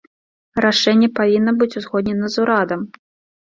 Рашэнне павінна быць узгоднена з урадам.